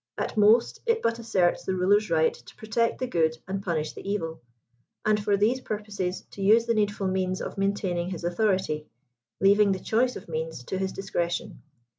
At most it but asserts the ruler's right to protect the good and punish the evil ; and for these purposes to use the needful means of main taining his authority ; leaving the choice of means to his dis cretion.